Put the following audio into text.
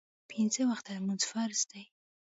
پینځه وخته لمونځ فرض دی